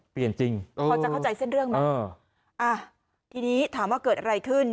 จริงพอจะเข้าใจเส้นเรื่องไหมอ่ะทีนี้ถามว่าเกิดอะไรขึ้น